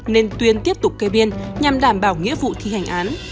nên tuyên tiếp tục kê biên nhằm đảm bảo nghĩa vụ thi hành án